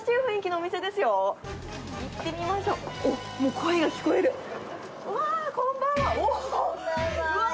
おっ、もう声が聞こえる。